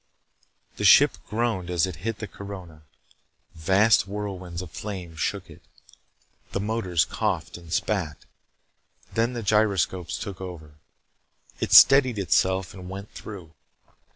The ship groaned as it hit the corona. Vast whirlwinds of flame shook it. The motors coughed and spat. Then the gyroscopes took over. It steadied itself and went through.